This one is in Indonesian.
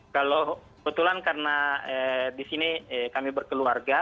kalau kebetulan karena di sini kami berkeluarga